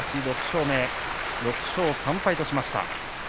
６勝目、６勝３敗としました。